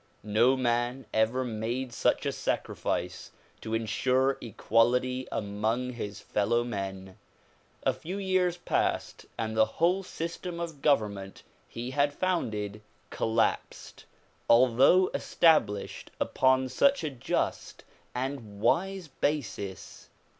No man ever made such a sacrifice to insure equality among his fellowmen. A few years passed and the whole system of government he had founded collapsed, although established upon such a just and wise basis.